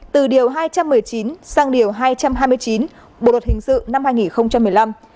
từ điều hai trăm một mươi chín sang điều hai trăm hai mươi chín bộ luật hình sự năm hai nghìn một mươi năm